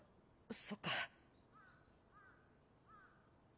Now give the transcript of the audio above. そっか。